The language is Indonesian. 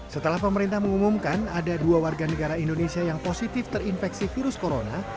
setelah pemerintah mengumumkan ada dua warga negara indonesia yang positif terinfeksi virus corona